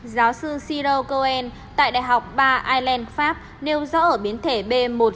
giáo sư cyril cohen tại đại học ba ireland pháp nêu rõ ở biến thể b một sáu trăm bốn mươi